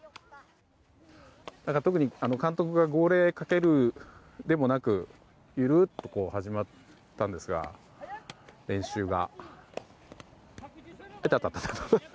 特に監督が号令をかけるでもなくゆるっと始まったんですが練習が。